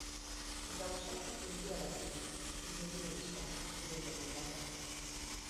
Gauzaki kulturalak dira, irudimenezkoak, ideia mailakoak.